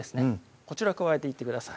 こちらを加えていってください